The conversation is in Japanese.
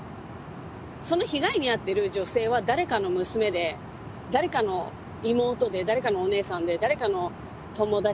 その被害に遭ってる女性は誰かの娘で誰かの妹で誰かのお姉さんで誰かの友達。